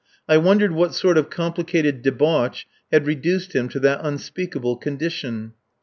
I wondered what sort of complicated debauch had reduced him to that unspeakable condition.